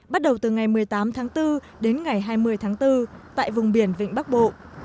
bắt đầu từ ngày một mươi tám tháng bốn đến ngày hai mươi tháng bốn tại vùng biển vịnh bắc bộ